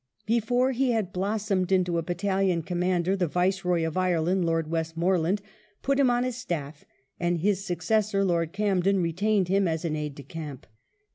Before he had blossomed into a battalion commander the Viceroy of Ireland, Lord Westmoreland, put him on his stafl^, and his successor. Lord Camden, retained him as an aide de camp.